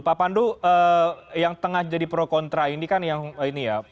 pak pandu yang tengah jadi pro kontra ini kan yang ini ya